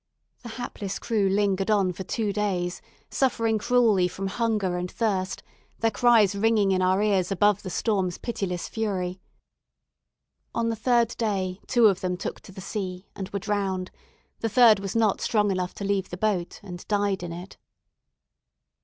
The hapless crew lingered on for two days, suffering cruelly from hunger and thirst, their cries ringing in our ears above the storm's pitiless fury. On the third day, two of them took to the sea, and were drowned; the third was not strong enough to leave the boat, and died in it.